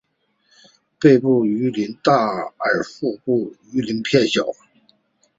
背部鳞片大而腹部鳞片小。